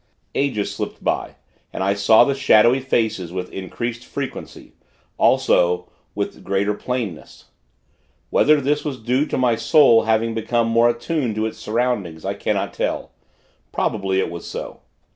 Ages slipped by, and I saw the shadowy faces, with increased frequency, also with greater plainness. Whether this was due to my soul having become more attuned to its surroundings, I cannot tell probably it was so.